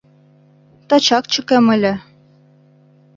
— Тачак чыкем ыле.